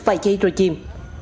vài giây rồi chìm